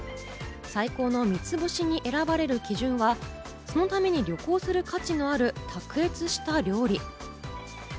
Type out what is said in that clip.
最高の三つ星に選ばれる基準はそのために旅行する価値のある卓越した料理。